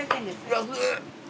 安っ！